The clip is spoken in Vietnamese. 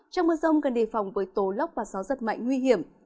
trong mưa rông gần đề phòng với tố lóc và gió rất mạnh nguy hiểm